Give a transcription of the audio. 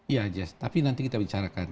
ya jess tapi nanti kita bicarakan